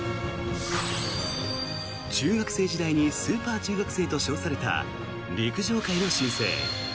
中学生時代にスーパー中学生と称された陸上界の新星。